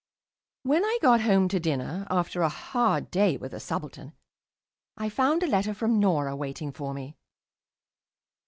When I got home to dinner, after a hard day with the subaltern, I found a letter from Norah waiting for me.